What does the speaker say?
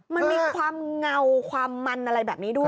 มันมีความเงาความมันอะไรแบบนี้ด้วย